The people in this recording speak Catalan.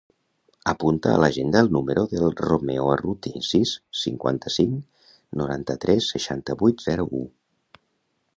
Apunta a l'agenda el número del Romeo Arruti: sis, cinquanta-cinc, noranta-tres, seixanta-vuit, zero, u.